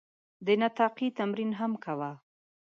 د نطاقي تمرین هم کاوه.